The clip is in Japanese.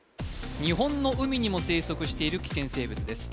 日本の海にも生息している危険生物です